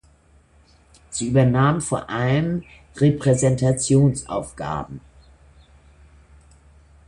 Sie übernahm vor allem Repräsentationsaufgaben.